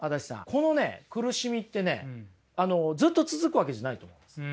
このね苦しみってねずっと続くわけじゃないと思うんです。